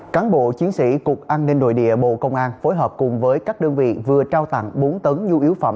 cán bộ chiến sĩ cục an ninh nội địa bộ công an phối hợp cùng với các đơn vị vừa trao tặng bốn tấn nhu yếu phẩm